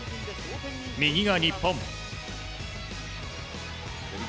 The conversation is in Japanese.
右が日本。